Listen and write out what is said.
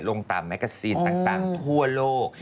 ลงตามแมกกาซีนต่างทั่วโลก